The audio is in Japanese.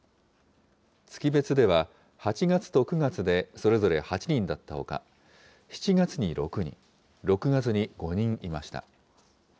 月別では８月と９月でそれぞれ８人だったほか、７月に６人、６月に５人いました。